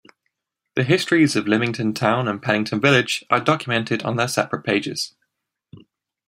The histories of Lymington Town and Pennington village are documented on their separate pages.